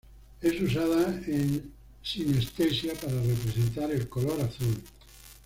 Es usada en sinestesia para representar el color azul.